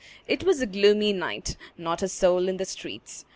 It was a gloomy night; not a soul in the streets.